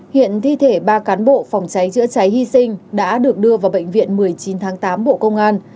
hiện thi thể ba cán bộ phòng cháy chữa cháy hy sinh đã được đưa vào bệnh viện một mươi chín tháng tám bộ công an